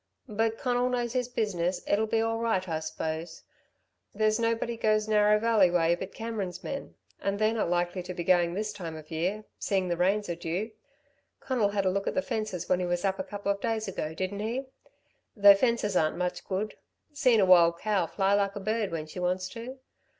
"But Conal knows his business. It'll be all right, I suppose. There's nobody goes Narrow Valley way but Cameron's men, and they're not likely to be going this time of the year seeing the rains are due. Conal had a look at the fences when he was up a couple of days ago, didn't he? Though fences aren't much good. Seen a wild cow fly like a bird when she wants to.